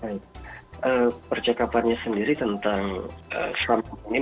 menurut dr emprit bagaimana emosi warganet yang tertangkap mengenai hal ini mas